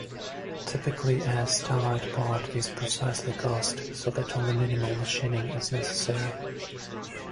Typically, a Stellite part is precisely cast so that only minimal machining is necessary.